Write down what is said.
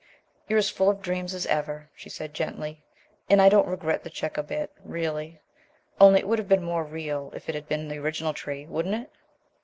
"You're as full of dreams as ever," she said gently, "and I don't regret the check a bit really. Only it would have been more real if it had been the original tree, wouldn't it?"